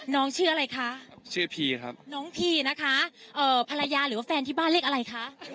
ชื่ออะไรคะชื่อพีครับน้องพีนะคะเอ่อภรรยาหรือว่าแฟนที่บ้านเลขอะไรคะ